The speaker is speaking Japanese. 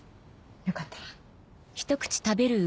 よかったら。